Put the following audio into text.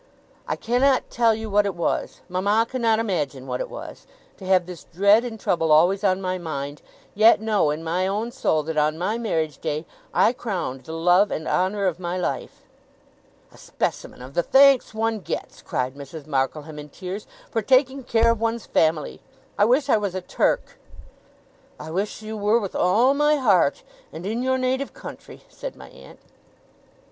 I cannot tell you what it was mama cannot imagine what it was to have this dread and trouble always on my mind, yet know in my own soul that on my marriage day I crowned the love and honour of my life!' 'A specimen of the thanks one gets,' cried Mrs. Markleham, in tears, 'for taking care of one's family! I wish I was a Turk!' ['I wish you were, with all my heart and in your native country!' said my aunt.)